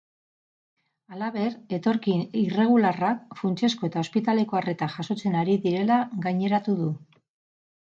Halaber, etorkin irregularrak funtsezko eta ospitaleko arreta jasotzen ari direla gaineratu du.